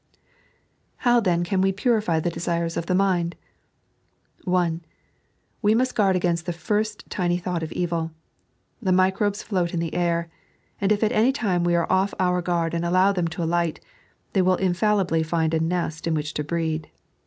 How THEN CAN WE FUKIFT THE DBSIBES OF THE HIND? (1) Wemust jruar(2a^ai? Mf tkefirst tiny thought of eml. The microbes float in the air, and if at any time we are off our guard and allow them to alight, they wUl infallibly find a nest in which to breed.